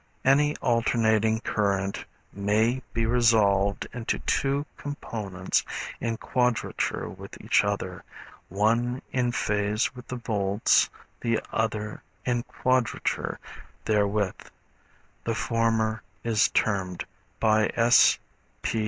Any alternating current may be resolved into two components in quadrature with each other, one in phase with the volts, the other in quadrature therewith, the former is termed by S. P.